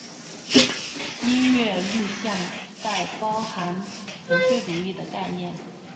音乐录像带包含纯粹主义的概念。